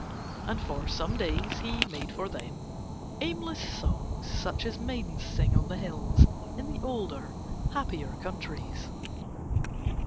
And for some days he made for them aimless songs such as maidens sing on the hills in the older happier countries.